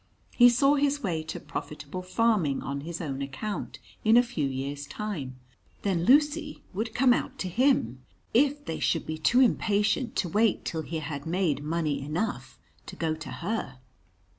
He saw his way to profitable farming on his own account in a few years' time. Then Lucy would come out to him, if they should be too impatient to wait till he had made money enough to go to her.